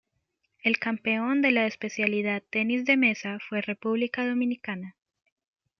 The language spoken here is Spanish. El campeón de la especialidad Tenis de mesa fue República Dominicana.